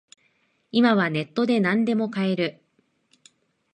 今はネットでなんでも買える